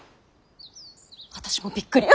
私もびっくり。